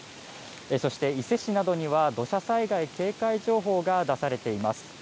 そして伊勢市などには土砂災害警戒情報が出されています。